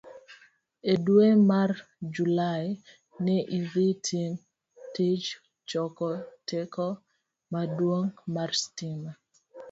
E dwe mar Julai, ne idhi tim tij choko teko maduong' mar stima.